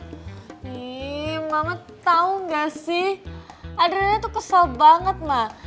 hii mama tau gak sih adriana tuh kesel banget ma